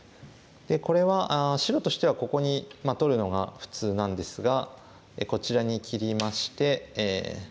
これは白としてはここに取るのが普通なんですがこちらに切りまして。